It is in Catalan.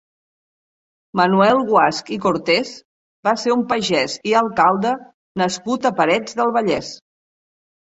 Manuel Guasch i Cortés va ser un pagès i alcalde nascut a Parets del Vallès.